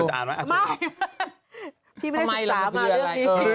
ไม่พี่ไม่ได้ศึกษามาเรื่องนี้